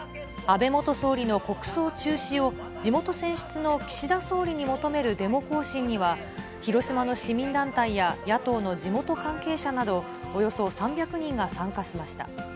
安倍元総理の国葬中止を、地元選出の岸田総理に求めるデモ行進には、広島の市民団体や野党の地元関係者など、およそ３００人が参加しました。